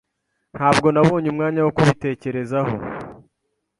Ntabwo nabonye umwanya wo kubitekerezaho.